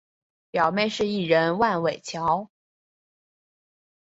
表妹是艺人万玮乔。